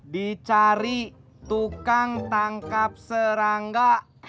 dicari tukang tangkap serangga